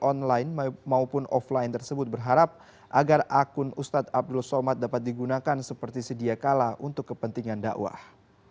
online maupun offline tersebut berharap agar akun ustadz abdul somad dapat digunakan seperti sedia kala untuk kepentingan dakwah